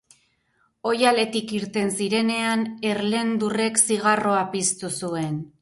Oihaletik irten zirenean, Erlendurrek zigarroa piztu zuen.